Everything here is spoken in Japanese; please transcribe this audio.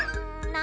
な